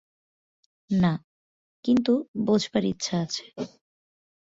না, কিন্তু বোঝবার ইচ্ছা আছে।